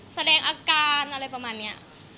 แสดงอาการอะไรประมาณนี้